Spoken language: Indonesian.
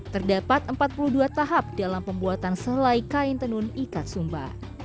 terdapat empat puluh dua tahap dalam pembuatan selai kain tenun ikat sumba